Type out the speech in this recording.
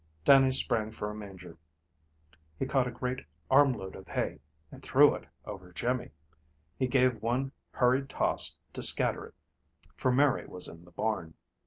Dannie sprang for a manger. He caught a great armload of hay, and threw it over Jimmy. He gave one hurried toss to scatter it, for Mary was in the barn.